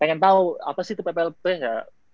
pengen tahu apa sih itu pplp nggak